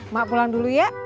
mak pulang dulu ya